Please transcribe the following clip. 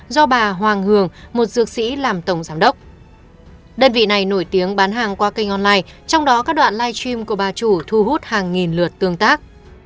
đơn vị này nổi tiếng bán hàng qua kênh online trong đó các đoạn live stream của bà chủ thu hút hàng nghìn lượt tương tác